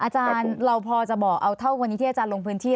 อาจารย์เราพอจะบอกเอาเท่าวันนี้ที่อาจารย์ลงพื้นที่